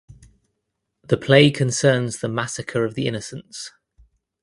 The play concerns the massacre of the innocents.